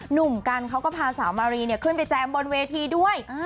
หนุ่มกันเขาก็พาสาวมารีขึ้นไปแจมบนเวทีด้วย